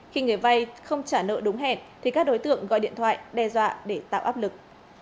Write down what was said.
khi người vay không trả nợ đúng hẹn thì các đối tượng gọi điện thoại đe dọa để tạo áp lực